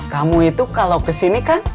kamu itu kalau kesini kan